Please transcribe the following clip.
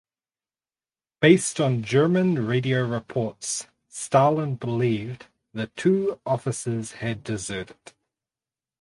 Based on German radio reports Stalin believed the two officers had deserted.